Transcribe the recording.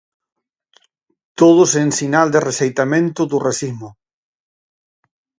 Todos en sinal de rexeitamento do racismo.